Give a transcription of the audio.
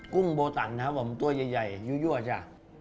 กุ้งโบตันครับผมตัวใหญ่ยั่วจ้ะ